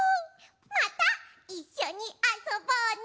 またいっしょにあそぼうね！